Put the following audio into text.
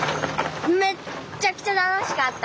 めっちゃくちゃ楽しかった。